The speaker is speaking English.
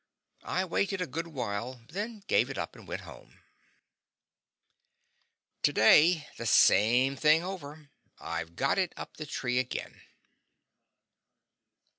I waited a good while, then gave it up and went home. Today the same thing over. I've got it up the tree again.